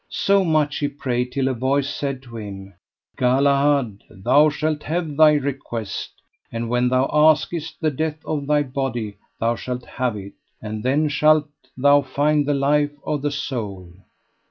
So much he prayed till a voice said to him: Galahad, thou shalt have thy request; and when thou askest the death of thy body thou shalt have it, and then shalt thou find the life of the soul.